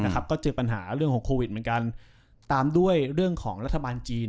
ก็เจอปัญหาเรื่องของโควิดเหมือนกันตามด้วยเรื่องของรัฐบาลจีน